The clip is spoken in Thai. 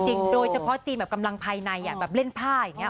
โดยเฉพาะจีนแบบกำลังภายในแบบเล่นผ้าอย่างนี้